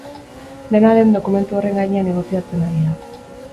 Dena den, dokumentu horren gainean negoziatzen ari da.